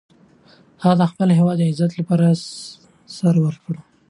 هغه د خپل هیواد د عزت لپاره سر ورکړ.